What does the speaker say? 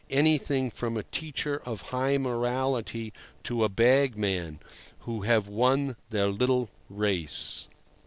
—anything from a teacher of high morality to a bagman—who have won their little race.